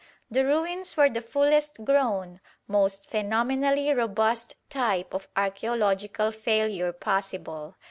The ruins were the fullest grown, most phenomenally robust type of archæological failure possible.